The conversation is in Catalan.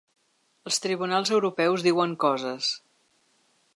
Els tribunals europeus diuen coses.